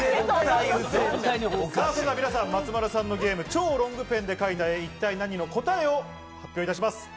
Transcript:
松丸さんのゲーム「超ロングペンで描いた絵一体ナニ！？」の答えを発表いたします。